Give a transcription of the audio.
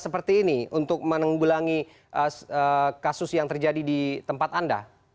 seperti ini untuk menanggulangi kasus yang terjadi di tempat anda